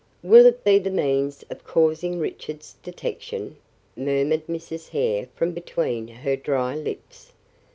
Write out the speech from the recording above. "Will it be the means of causing Richard's detection?" murmured Mrs. Hare from between her dry lips.